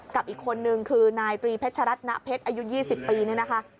กับอีกคนนึงคือนายตรีเพชรัตณเพชรอายุ๒๐ปีนี่นะคะ